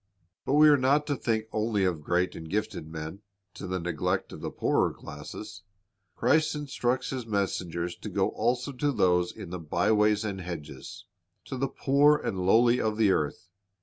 But we are not to think only of great and gifted men, to the neglect of the poorer classes. Christ instructs His messengers to go also to those in the bywa\'s and hedges, to the poor and lowly of the earth.